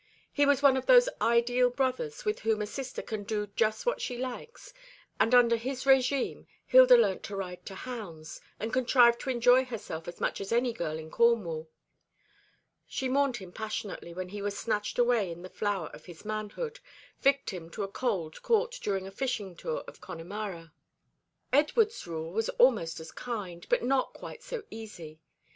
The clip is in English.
He was one of those ideal brothers with whom a sister can do just what she likes; and under his régime Hilda learnt to ride to hounds, and contrived to enjoy herself as much as any girl in Cornwall. She mourned him passionately when he was snatched away in the flower of his manhood, victim to a cold caught during a fishing tour in Connemara. Edward's rule was almost as kind, but not quite so easy.